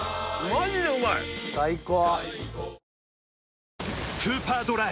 マジでうまい最高！